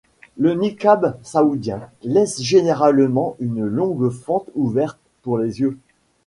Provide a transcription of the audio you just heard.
Le niqab saoudien laisse généralement une longue fente ouverte pour les yeux.